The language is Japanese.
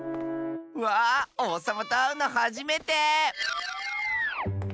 わあおうさまとあうのはじめて。